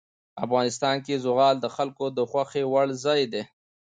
افغانستان کې زغال د خلکو د خوښې وړ ځای دی.